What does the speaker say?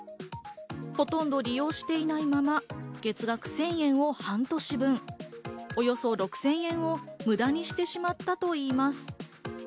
ほとんど利用していないまま、月額１０００円を半年分、およそ６０００円を無駄にしてしまったといいます。